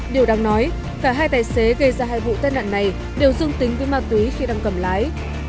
điều đáng nói cả hai tài xế gây ra hai vụ tai nạn này đều dương tính với ma túy khi đang cầm lái